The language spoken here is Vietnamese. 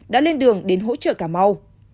đã lên đường đến hỗ trợ cà mau